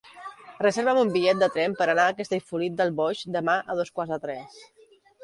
Reserva'm un bitllet de tren per anar a Castellfollit del Boix demà a dos quarts de tres.